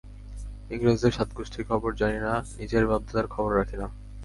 ইংরেজদের সাতগুষ্টির খবর জানি, নিজের বাপ-দাদার খবর রাখি না।